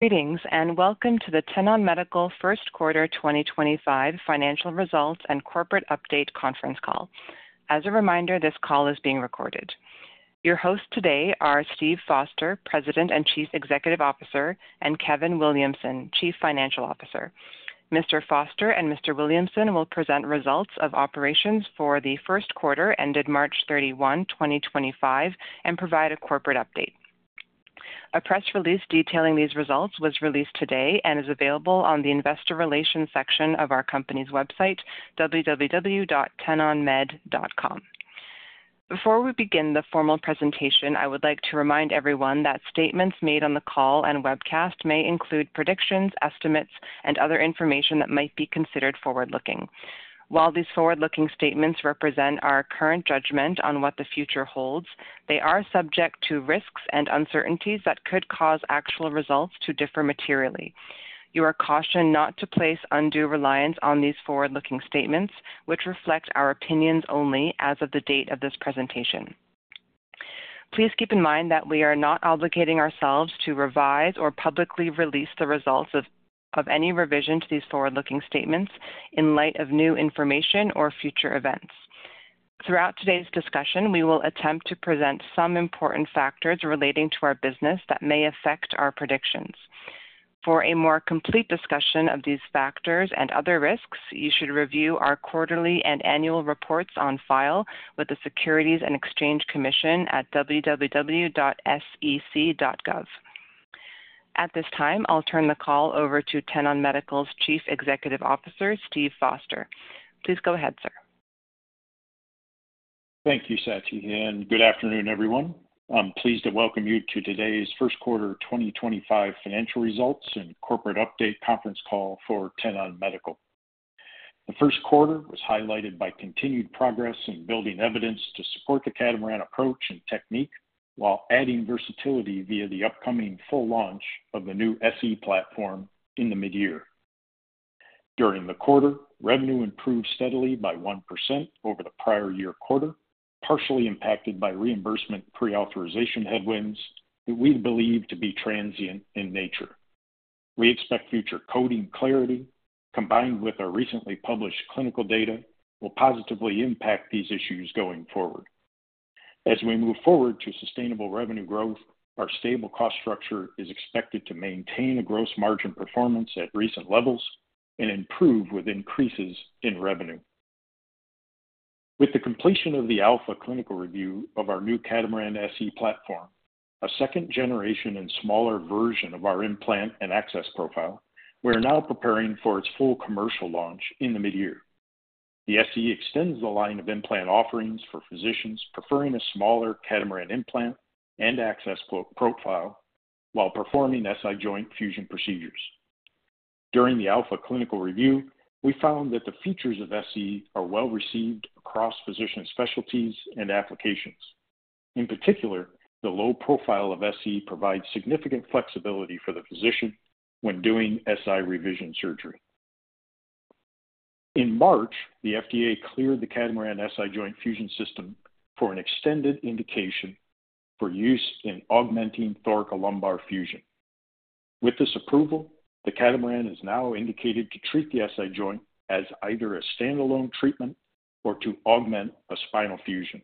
Greetings and welcome to the Tenon Medical First Quarter 2025 Financial Results and Corporate Update Conference Call. As a reminder, this call is being recorded. Your hosts today are Steve Foster, President and Chief Executive Officer, and Kevin Williamson, Chief Financial Officer. Mr. Foster and Mr. Williamson will present results of operations for the first quarter ended March 31, 2025, and provide a corporate update. A press release detailing these results was released today and is available on the Investor Relations section of our company's website, www.tenonmed.com. Before we begin the formal presentation, I would like to remind everyone that statements made on the call and webcast may include predictions, estimates, and other information that might be considered forward-looking. While these forward-looking statements represent our current judgment on what the future holds, they are subject to risks and uncertainties that could cause actual results to differ materially. You are cautioned not to place undue reliance on these forward-looking statements, which reflect our opinions only as of the date of this presentation. Please keep in mind that we are not obligating ourselves to revise or publicly release the results of any revision to these forward-looking statements in light of new information or future events. Throughout today's discussion, we will attempt to present some important factors relating to our business that may affect our predictions. For a more complete discussion of these factors and other risks, you should review our quarterly and annual reports on file with the Securities and Exchange Commission at www.sec.gov. At this time, I'll turn the call over to Tenon Medical's Chief Executive Officer, Steve Foster. Please go ahead, sir. Thank you, Sachi, and good afternoon, everyone. I'm pleased to welcome you to today's First Quarter 2025 Financial Results and Corporate Update Conference Call for Tenon Medical. The first quarter was highlighted by continued progress in building evidence to support the Catamaran approach and technique while adding versatility via the upcoming full launch of the new SE platform in the mid-year. During the quarter, revenue improved steadily by 1% over the prior year quarter, partially impacted by reimbursement pre-authorization headwinds that we believe to be transient in nature. We expect future coding clarity, combined with our recently published clinical data, will positively impact these issues going forward. As we move forward to sustainable revenue growth, our stable cost structure is expected to maintain a gross margin performance at recent levels and improve with increases in revenue. With the completion of the Alpha Clinical Review of our new Catamaran SE platform, a second generation and smaller version of our implant and access profile, we are now preparing for its full commercial launch in the mid-year. The SE extends the line of implant offerings for physicians preferring a smaller Catamaran implant and access profile while performing SI joint fusion procedures. During the Alpha Clinical Review, we found that the features of SE are well received across physician specialties and applications. In particular, the low profile of SE provides significant flexibility for the physician when doing SI revision surgery. In March, the FDA cleared the Catamaran SI Joint Fusion System for an extended indication for use in augmenting thoracolumbar fusion. With this approval, the Catamaran is now indicated to treat the SI joint as either a standalone treatment or to augment a spinal fusion.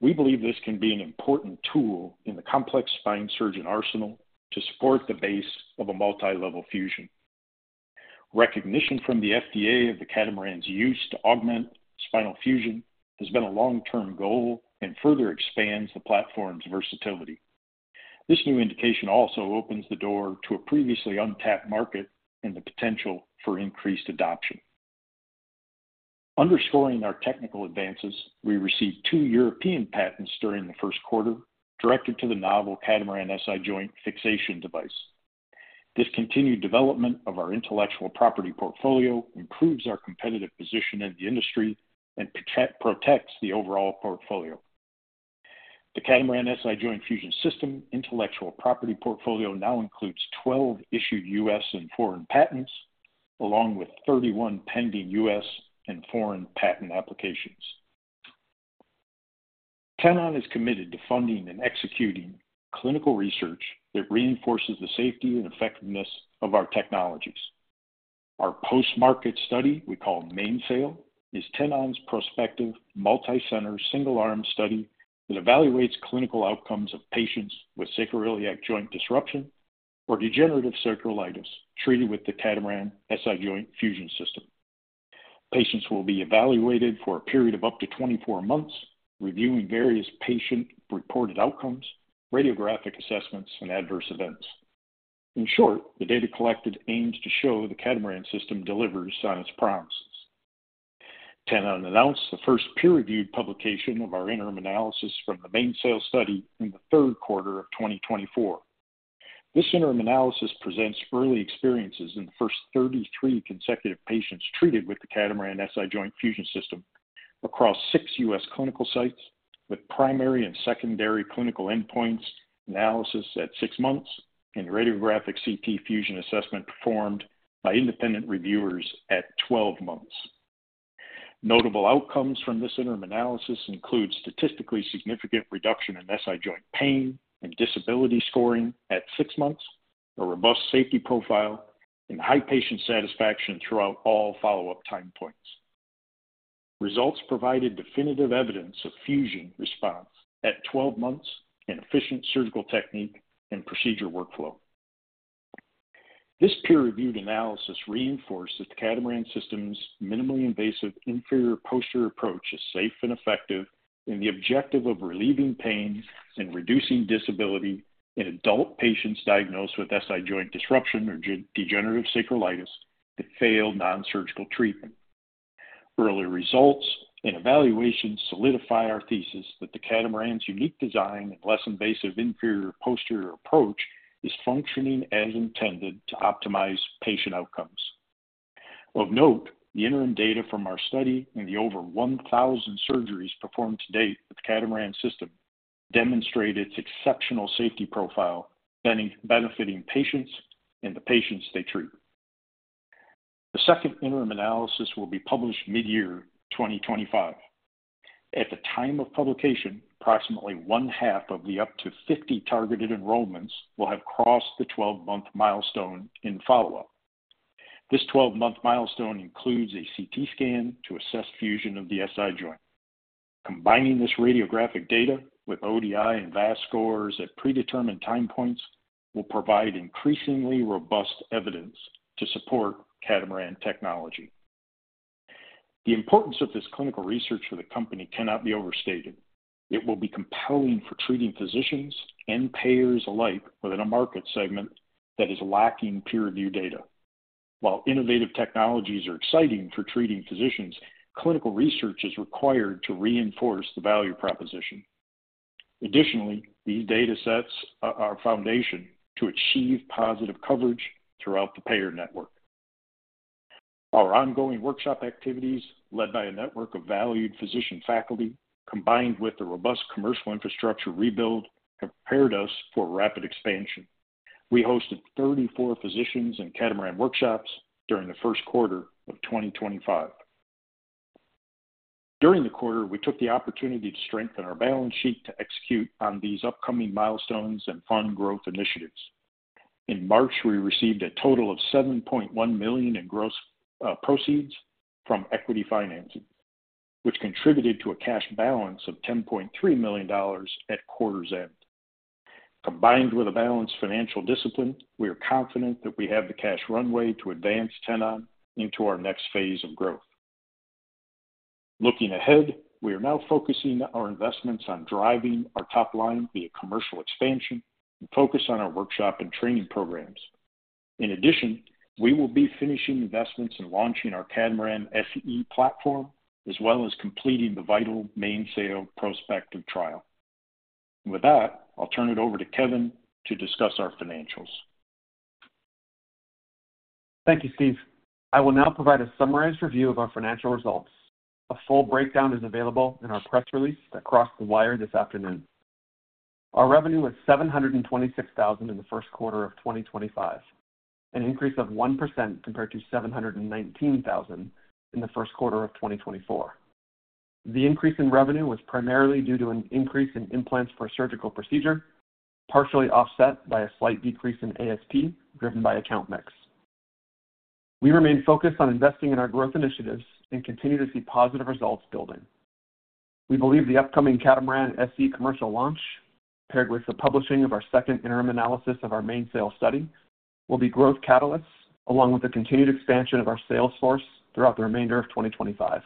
We believe this can be an important tool in the complex spine surgeon arsenal to support the base of a multilevel fusion. Recognition from the FDA of the Catamaran's use to augment spinal fusion has been a long-term goal and further expands the platform's versatility. This new indication also opens the door to a previously untapped market and the potential for increased adoption. Underscoring our technical advances, we received two European patents during the first quarter directed to the novel Catamaran SI Joint fixation device. This continued development of our intellectual property portfolio improves our competitive position in the industry and protects the overall portfolio. The Catamaran SI Joint Fusion System intellectual property portfolio now includes 12 issued U.S. and foreign patents, along with 31 pending U.S. and foreign patent applications. Tenon is committed to funding and executing clinical research that reinforces the safety and effectiveness of our technologies. Our post-market study, we call MAINSAIL, is Tenon's prospective multi-center single-arm study that evaluates clinical outcomes of patients with sacroiliac joint disruption or degenerative sacroiliitis treated with the Catamaran SI Joint Fusion System. Patients will be evaluated for a period of up to 24 months, reviewing various patient reported outcomes, radiographic assessments, and adverse events. In short, the data collected aims to show the Catamaran system delivers on its promises. Tenon announced the first peer-reviewed publication of our interim analysis from the MAINSAIL Study in the third quarter of 2024. This interim analysis presents early experiences in the first 33 consecutive patients treated with the Catamaran SI Joint Fusion System across six U.S. clinical sites with primary and secondary clinical endpoints analysis at six months and radiographic CT fusion assessment performed by independent reviewers at 12 months. Notable outcomes from this interim analysis include statistically significant reduction in SI joint pain and disability scoring at six months, a robust safety profile, and high patient satisfaction throughout all follow-up time points. Results provided definitive evidence of fusion response at 12 months and efficient surgical technique and procedure workflow. This peer-reviewed analysis reinforced that the Catamaran system's minimally invasive inferior posterior approach is safe and effective in the objective of relieving pain and reducing disability in adult patients diagnosed with SI joint disruption or degenerative sacroiliitis that fail nonsurgical treatment. Early results and evaluations solidify our thesis that the Catamaran's unique design and less invasive inferior posterior approach is functioning as intended to optimize patient outcomes. Of note, the interim data from our study and the over 1,000 surgeries performed to date with the Catamaran system demonstrate its exceptional safety profile, benefiting patients and the patients they treat. The second interim analysis will be published mid-year 2025. At the time of publication, approximately 1/2 of the up to 50 targeted enrollments will have crossed the 12-month milestone in follow-up. This 12-month milestone includes a CT scan to assess fusion of the SI joint. Combining this radiographic data with ODI and VAS scores at predetermined time points will provide increasingly robust evidence to support Catamaran technology. The importance of this clinical research for the company cannot be overstated. It will be compelling for treating physicians and payers alike within a market segment that is lacking peer-reviewed data. While innovative technologies are exciting for treating physicians, clinical research is required to reinforce the value proposition. Additionally, these data sets are our foundation to achieve positive coverage throughout the payer network. Our ongoing workshop activities, led by a network of valued physician faculty, combined with the robust commercial infrastructure rebuild, have prepared us for rapid expansion. We hosted 34 physicians and Catamaran workshops during the first quarter of 2025. During the quarter, we took the opportunity to strengthen our balance sheet to execute on these upcoming milestones and fund growth initiatives. In March, we received a total of $7.1 million in gross proceeds from equity financing, which contributed to a cash balance of $10.3 million at quarter's end. Combined with a balanced financial discipline, we are confident that we have the cash runway to advance Tenon into our next phase of growth. Looking ahead, we are now focusing our investments on driving our top line via commercial expansion and focus on our workshop and training programs. In addition, we will be finishing investments and launching our Catamaran SE platform, as well as completing the vital MAINSAIL prospective trial. With that, I'll turn it over to Kevin to discuss our financials. Thank you, Steve. I will now provide a summarized review of our financial results. A full breakdown is available in our press release that crossed the wire this afternoon. Our revenue was $726,000 in the first quarter of 2025, an increase of 1% compared to $719,000 in the first quarter of 2024. The increase in revenue was primarily due to an increase in implants for a surgical procedure, partially offset by a slight decrease in ASP driven by account mix. We remain focused on investing in our growth initiatives and continue to see positive results building. We believe the upcoming Catamaran SE commercial launch, paired with the publishing of our second interim analysis of our MAINSAIL Study, will be growth catalysts along with the continued expansion of our sales force throughout the remainder of 2025.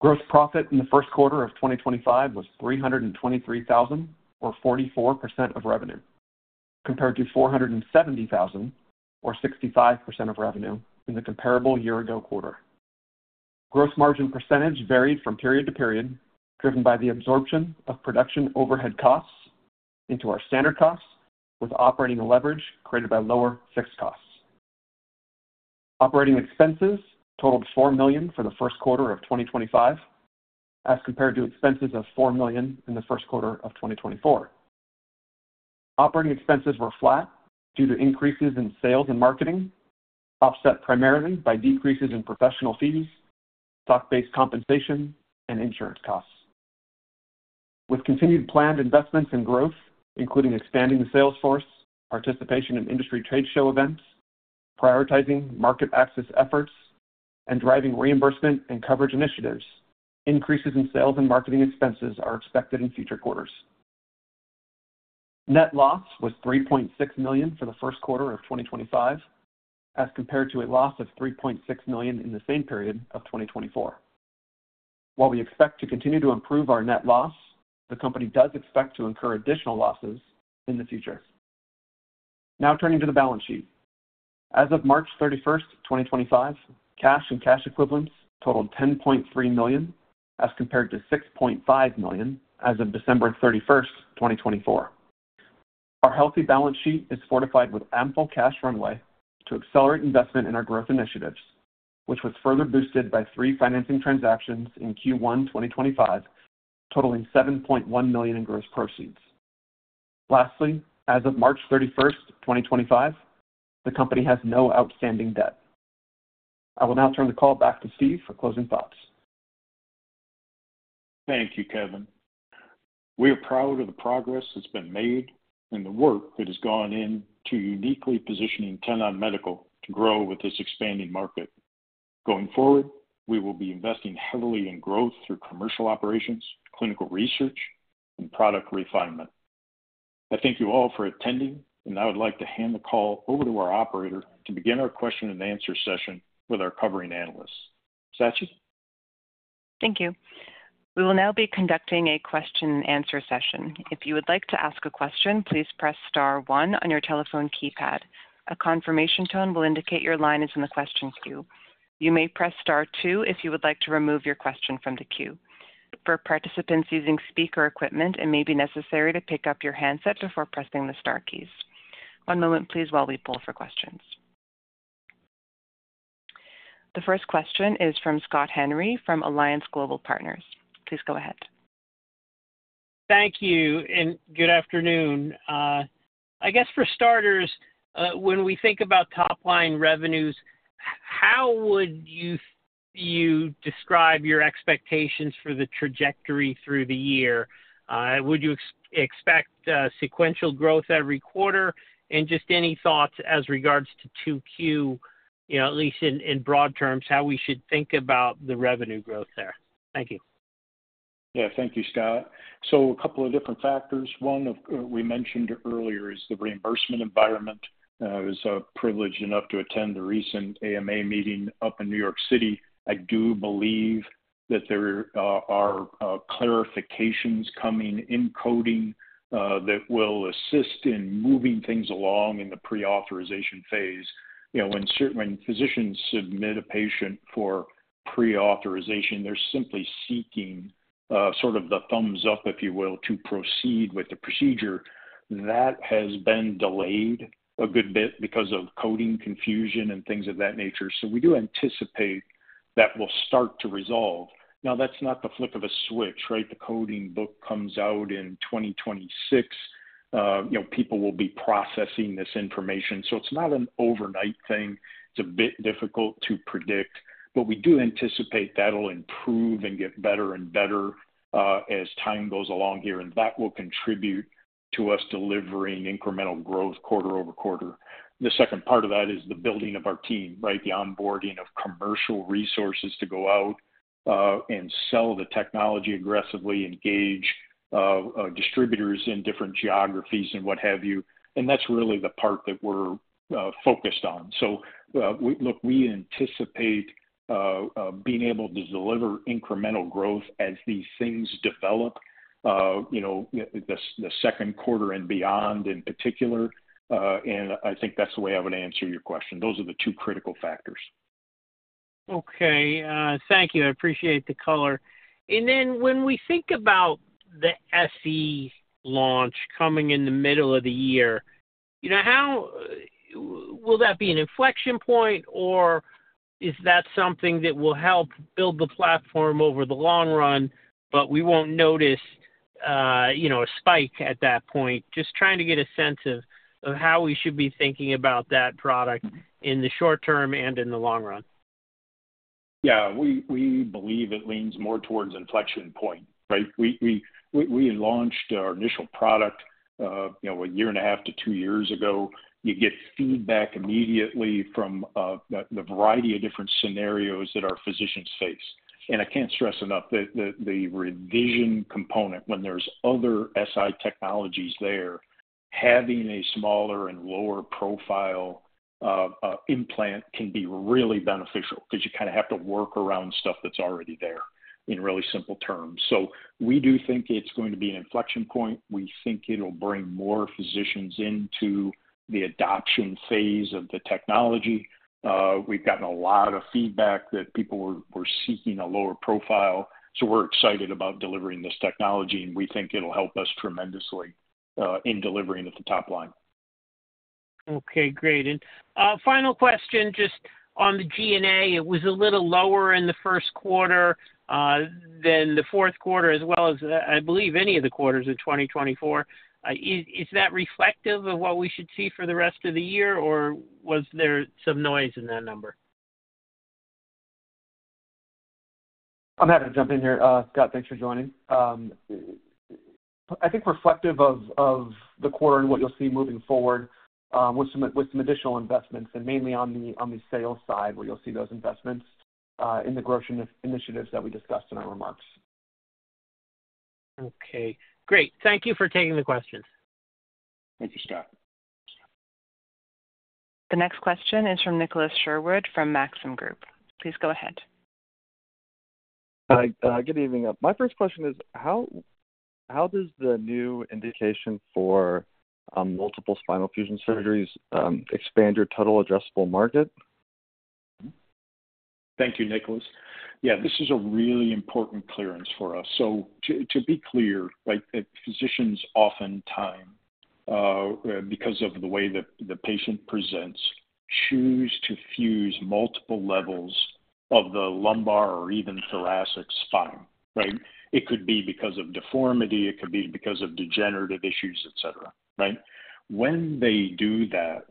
Gross profit in the first quarter of 2025 was $323,000, or 44% of revenue, compared to $470,000, or 65% of revenue in the comparable year-ago quarter. Gross margin percentage varied from period to period, driven by the absorption of production overhead costs into our standard costs, with operating leverage created by lower fixed costs. Operating expenses totaled $4 million for the first quarter of 2025, as compared to expenses of $4 million in the first quarter of 2024. Operating expenses were flat due to increases in sales and marketing, offset primarily by decreases in professional fees, stock-based compensation, and insurance costs. With continued planned investments in growth, including expanding the sales force, participation in industry trade show events, prioritizing market access efforts, and driving reimbursement and coverage initiatives, increases in sales and marketing expenses are expected in future quarters. Net loss was $3.6 million for the first quarter of 2025, as compared to a loss of $3.6 million in the same period of 2024. While we expect to continue to improve our net loss, the company does expect to incur additional losses in the future. Now turning to the balance sheet. As of March 31, 2025, cash and cash equivalents totaled $10.3 million, as compared to $6.5 million as of December 31, 2024. Our healthy balance sheet is fortified with ample cash runway to accelerate investment in our growth initiatives, which was further boosted by three financing transactions in Q1 2025, totaling $7.1 million in gross proceeds. Lastly, as of March 31, 2025, the company has no outstanding debt. I will now turn the call back to Steve for closing thoughts. Thank you, Kevin. We are proud of the progress that's been made and the work that has gone into uniquely positioning Tenon Medical to grow with this expanding market. Going forward, we will be investing heavily in growth through commercial operations, clinical research, and product refinement. I thank you all for attending, and I would like to hand the call over to our operator to begin our question-and-answer session with our covering analysts. Sachi? Thank you. We will now be conducting a question-and-answer session. If you would like to ask a question, please press star one on your telephone keypad. A confirmation tone will indicate your line is in the question queue. You may press star two if you would like to remove your question from the queue. For participants using speaker equipment, it may be necessary to pick up your handset before pressing the star keys. One moment, please, while we pull for questions. The first question is from Scott Henry from Alliance Global Partners. Please go ahead. Thank you, and good afternoon. I guess for starters, when we think about top-line revenues, how would you describe your expectations for the trajectory through the year? Would you expect sequential growth every quarter? Just any thoughts as regards to 2Q, at least in broad terms, how we should think about the revenue growth there? Thank you. Yeah, thank you, Scott. So a couple of different factors. One we mentioned earlier is the reimbursement environment. I was privileged enough to attend the recent AMA meeting up in New York City. I do believe that there are clarifications coming, in coding, that will assist in moving things along in the pre-authorization phase. When physicians submit a patient for pre-authorization, they're simply seeking sort of the thumbs-up, if you will, to proceed with the procedure. That has been delayed a good bit because of coding confusion and things of that nature. So we do anticipate that will start to resolve. Now, that's not the flick of a switch, right? The coding book comes out in 2026. People will be processing this information. So it's not an overnight thing. It's a bit difficult to predict, but we do anticipate that'll improve and get better and better as time goes along here, and that will contribute to us delivering incremental growth quarter over quarter. The second part of that is the building of our team, right? The onboarding of commercial resources to go out and sell the technology aggressively, engage distributors in different geographies and what have you. That's really the part that we're focused on. Look, we anticipate being able to deliver incremental growth as these things develop, the second quarter and beyond in particular. I think that's the way I would answer your question. Those are the two critical factors. Okay. Thank you. I appreciate the color. When we think about the SE launch coming in the middle of the year, will that be an inflection point, or is that something that will help build the platform over the long run, but we won't notice a spike at that point? Just trying to get a sense of how we should be thinking about that product in the short term and in the long run. Yeah. We believe it leans more towards inflection point, right? We launched our initial product a year and a half to two years ago. You get feedback immediately from the variety of different scenarios that our physicians face. I can't stress enough that the revision component, when there's other SI technologies there, having a smaller and lower profile implant can be really beneficial because you kind of have to work around stuff that's already there in really simple terms. We do think it's going to be an inflection point. We think it'll bring more physicians into the adoption phase of the technology. We've gotten a lot of feedback that people were seeking a lower profile. We're excited about delivering this technology, and we think it'll help us tremendously in delivering at the top line. Okay. Great. Final question, just on the G&A. It was a little lower in the first quarter than the fourth quarter, as well as, I believe, any of the quarters in 2024. Is that reflective of what we should see for the rest of the year, or was there some noise in that number? I'm happy to jump in here. Scott, thanks for joining. I think reflective of the quarter and what you'll see moving forward with some additional investments, and mainly on the sales side, where you'll see those investments in the growth initiatives that we discussed in our remarks. Okay. Great. Thank you for taking the questions. Thank you, Scott. The next question is from Nicholas Sherwood from Maxim Group. Please go ahead. Hi. Good evening. My first question is, how does the new indication for multiple spinal fusion surgeries expand your total addressable market? Thank you, Nicholas. Yeah, this is a really important clearance for us. To be clear, physicians oftentimes, because of the way that the patient presents, choose to fuse multiple levels of the lumbar or even thoracic spine, right? It could be because of deformity. It could be because of degenerative issues, etc., right? When they do that,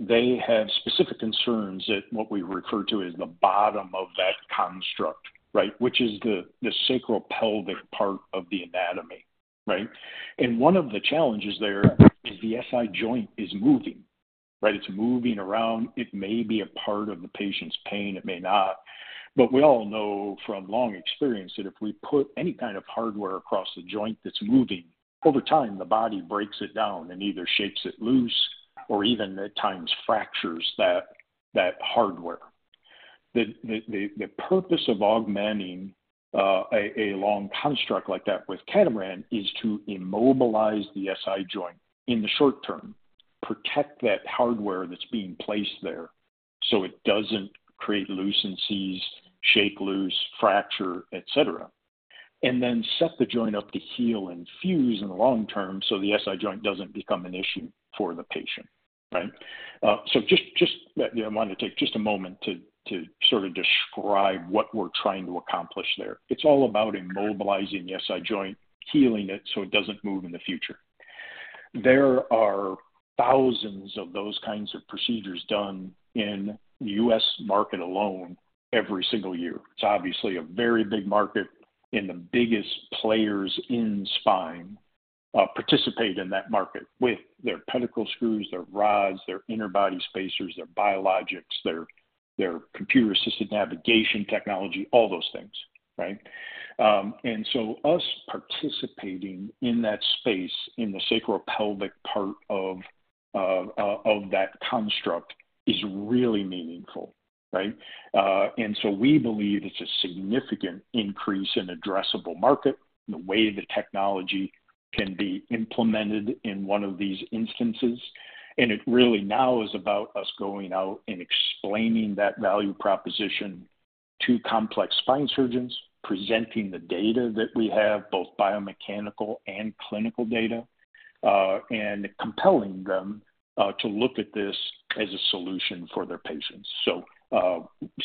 they have specific concerns at what we refer to as the bottom of that construct, which is the sacral pelvic part of the anatomy, right? One of the challenges there is the SI joint is moving, right? It's moving around. It may be a part of the patient's pain. It may not. But we all know from long experience that if we put any kind of hardware across the joint that's moving, over time, the body breaks it down and either shakes it loose or even, at times, fractures that hardware. The purpose of augmenting a long construct like that with Catamaran is to immobilize the SI joint in the short term, protect that hardware that's being placed there so it doesn't create lucencies, shake loose, fracture, etc., and then set the joint up to heal and fuse in the long term so the SI joint doesn't become an issue for the patient, right? I want to take just a moment to sort of describe what we're trying to accomplish there. It's all about immobilizing the SI joint, healing it so it doesn't move in the future. There are thousands of those kinds of procedures done in the U.S. market alone every single year. It's obviously a very big market, and the biggest players in spine participate in that market with their pedicle screws, their rods, their interbody spacers, their biologics, their computer-assisted navigation technology, all those things, right? Us participating in that space in the sacral pelvic part of that construct is really meaningful, right? We believe it's a significant increase in addressable market, the way the technology can be implemented in one of these instances. It really now is about us going out and explaining that value proposition to complex spine surgeons, presenting the data that we have, both biomechanical and clinical data, and compelling them to look at this as a solution for their patients.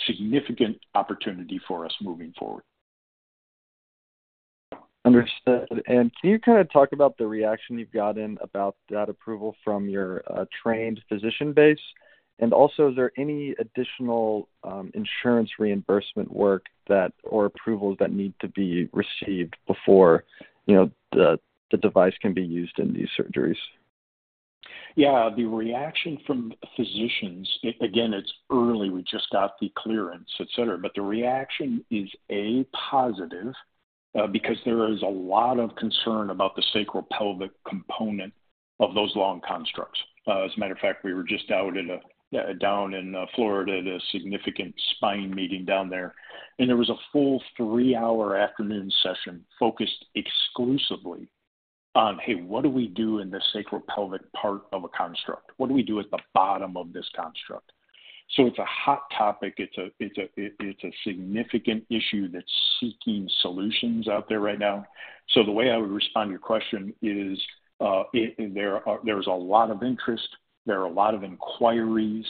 Significant opportunity for us moving forward. Understood. Can you kind of talk about the reaction you've gotten about that approval from your trained physician base? Also, is there any additional insurance reimbursement work or approvals that need to be received before the device can be used in these surgeries? Yeah. The reaction from physicians, again, it's early. We just got the clearance, etc., but the reaction is, A, positive because there is a lot of concern about the sacral pelvic component of those long constructs. As a matter of fact, we were just out down in Florida at a significant spine meeting down there, and there was a full three-hour afternoon session focused exclusively on, "Hey, what do we do in the sacral pelvic part of a construct? What do we do at the bottom of this construct?" It is a hot topic. It is a significant issue that's seeking solutions out there right now. The way I would respond to your question is there is a lot of interest. There are a lot of inquiries.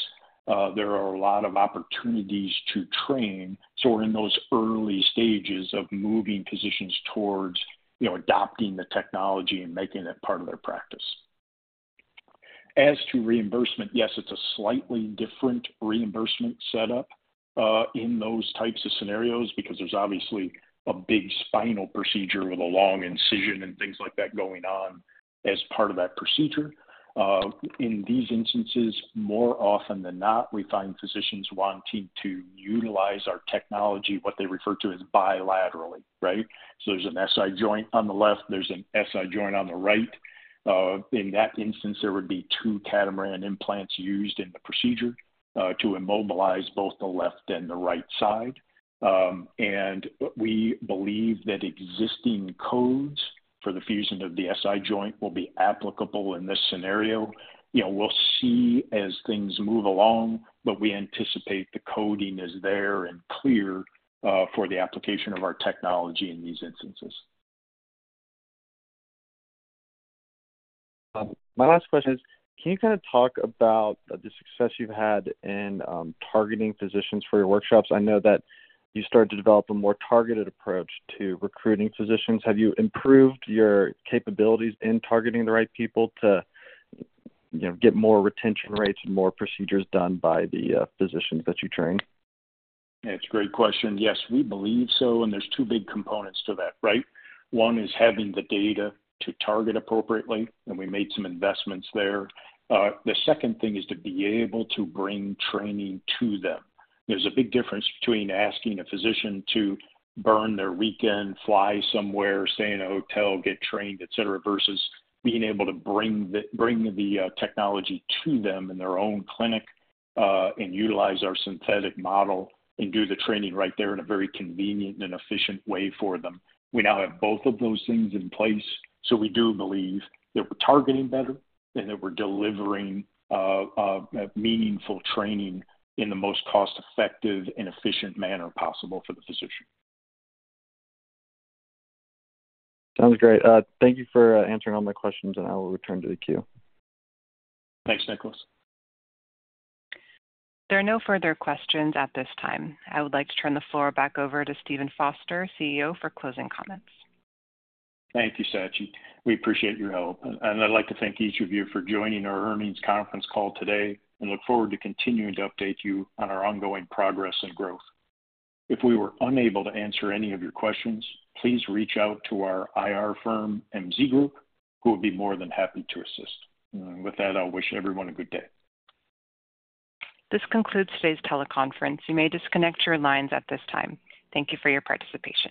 There are a lot of opportunities to train. We're in those early stages of moving physicians towards adopting the technology and making it part of their practice. As to reimbursement, yes, it's a slightly different reimbursement setup in those types of scenarios because there's obviously a big spinal procedure with a long incision and things like that going on as part of that procedure. In these instances, more often than not, we find physicians wanting to utilize our technology, what they refer to as bilaterally, right? There's an SI joint on the left. There's an SI joint on the right. In that instance, there would be two Catamaran implants used in the procedure to immobilize both the left and the right side. We believe that existing codes for the fusion of the SI joint will be applicable in this scenario. We'll see as things move along, but we anticipate the coding is there and clear for the application of our technology in these instances. My last question is, can you kind of talk about the success you've had in targeting physicians for your workshops? I know that you started to develop a more targeted approach to recruiting physicians. Have you improved your capabilities in targeting the right people to get more retention rates and more procedures done by the physicians that you train? That's a great question. Yes, we believe so. There are two big components to that, right? One is having the data to target appropriately, and we made some investments there. The second thing is to be able to bring training to them. There's a big difference between asking a physician to burn their weekend, fly somewhere, stay in a hotel, get trained, etc., versus being able to bring the technology to them in their own clinic and utilize our synthetic model and do the training right there in a very convenient and efficient way for them. We now have both of those things in place. We do believe that we're targeting better and that we're delivering meaningful training in the most cost-effective and efficient manner possible for the physician. Sounds great. Thank you for answering all my questions, and I will return to the queue. Thanks, Nicholas. There are no further questions at this time. I would like to turn the floor back over to Steve Foster, CEO, for closing comments. Thank you, Sachi. We appreciate your help. I would like to thank each of you for joining our earnings conference call today and look forward to continuing to update you on our ongoing progress and growth. If we were unable to answer any of your questions, please reach out to our IR firm, MZ Group, who would be more than happy to assist. I wish everyone a good day. This concludes today's teleconference. You may disconnect your lines at this time. Thank you for your participation.